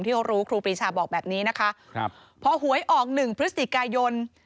ที่เขารู้ครูปรีชาบอกแบบนี้นะคะครับพอหวยออกหนึ่งพฤศจิกายน